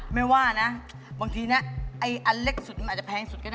ไม่ว่านะบางทีนะไอ้อันเล็กสุดมันอาจจะแพงสุดก็ได้